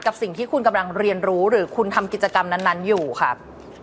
กับสิ่งที่คุณกำลังเรียนรู้หรือคุณทำกิจกรรมนั้นอยู่ครับ